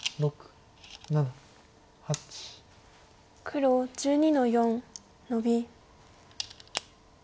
黒１２の四ノビ。